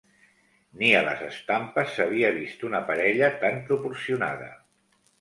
Ni a les estampes s'havia vist una parella tant proporcionada